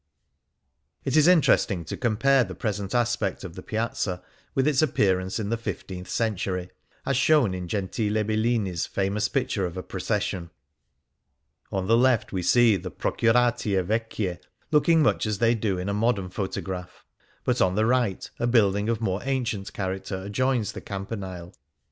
It is interesting to compare the present aspect of the Piazza with its appearance in the fifteenth century, as shown in Gentile Bellini's famous picture of a procession. On the left we see the Procuratie Vecchie looking much as they do in a modern photograph ; but on the right a build ing of more ancient character adjoins the Cam panile.